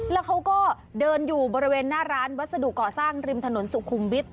แล้วเขาก็เดินอยู่บริเวณหน้าร้านวัสดุก่อสร้างริมถนนสุขุมวิทย